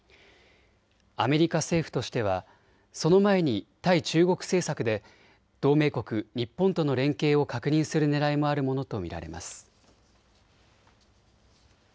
アメリカ政府としてはその前に対中国政策で同盟国、日本との連携を確認するねらいもあるものと見られます。